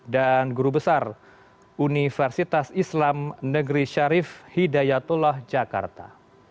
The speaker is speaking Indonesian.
dan guru besar universitas islam negeri syarif hidayatullah jakarta